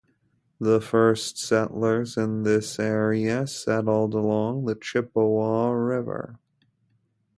The first settlers in this area settled along the Chippewa River.